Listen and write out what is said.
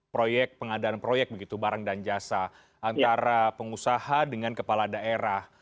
proyek pengadaan proyek begitu barang dan jasa antara pengusaha dengan kepala daerah